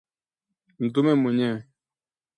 mtume mwenyewe